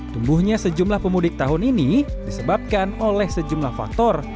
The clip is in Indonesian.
tumbuhnya sejumlah pemudik tahun ini disebabkan oleh sejumlah faktor